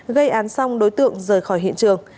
gây án xong đối tượng rời khỏi hiện trường